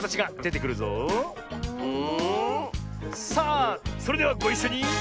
さあそれではごいっしょに！